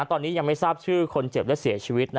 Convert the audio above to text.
ต้องรอให้สาบชื่อคนเจ็บและเสียชีวิต